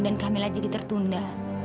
dan kamilah jadi tertunda